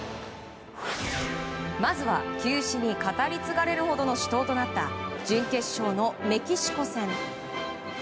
まずは球史に語り継がれるほどの死闘となった準決勝のメキシコ戦。